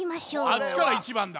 あっちから１ばんだ。